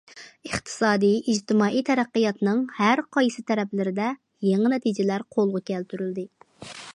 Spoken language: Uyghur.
ئىقتىسادىي، ئىجتىمائىي تەرەققىياتنىڭ ھەرقايسى تەرەپلىرىدە يېڭى نەتىجىلەر قولغا كەلتۈرۈلدى.